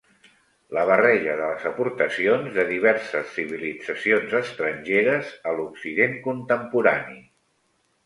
La barreja de les aportacions de diverses civilitzacions estrangeres a l'Occident contemporani.